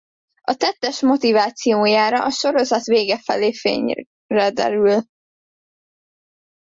A tettes motivációjára a sorozat vége felé fényre derül.